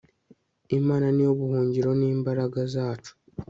imana ni yo buhungiro n'imbaraga zacu